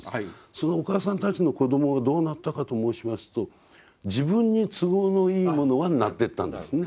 そのお母さんたちの子どもがどうなったかと申しますと「自分に都合のいいものは」になってったんですね。